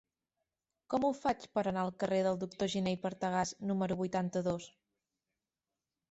Com ho faig per anar al carrer del Doctor Giné i Partagàs número vuitanta-dos?